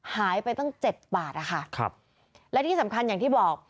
หายไปตั้ง๗บาทอะค่ะและที่สำคัญอย่างที่บอก